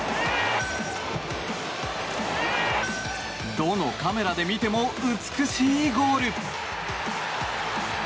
どのカメラで見ても美しいゴール。